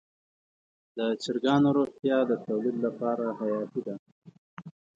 د چرګانو روغتیا د تولید لپاره حیاتي ده.